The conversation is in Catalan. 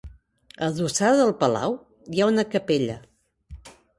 Adossada al palau, hi ha una capella.